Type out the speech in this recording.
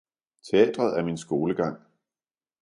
Teatret er min skolegang!